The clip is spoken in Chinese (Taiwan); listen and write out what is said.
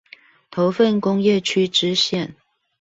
頭份工業區支線